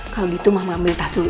kalo gitu mama ambil tas dulu ya